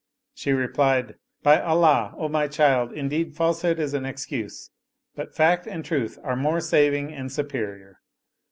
" She replied, " By Allah, O my child, indeed falsehood is an excuse, but fact and truth are more saving and superior.